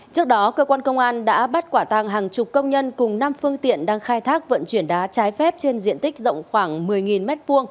trước đó cơ quan công an đã bắt quả tàng hàng chục công nhân cùng năm phương tiện đang khai thác vận chuyển đá trái phép trên diện tích rộng khoảng một mươi m hai